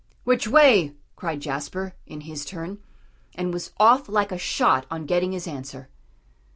"Which way?" cried Jasper, in his turn, and was off like a shot on getting his answer.